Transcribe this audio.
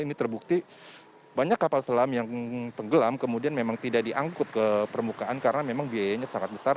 ini terbukti banyak kapal selam yang tenggelam kemudian memang tidak diangkut ke permukaan karena memang biayanya sangat besar